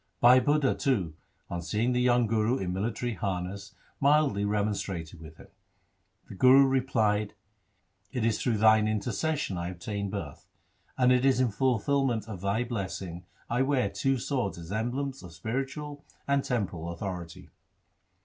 Bhai Budha, too, on seeing the young Guru in military harness mildly remonstrated with him. The Guru replied, ' It is through thine intercession I obtained birth ; and it is in fulfilment of thy blessing I wear two swords as emblems of spiritual and temporal authority.